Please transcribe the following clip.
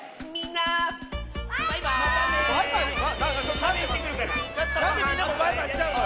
なんでみんなもバイバイしちゃうの？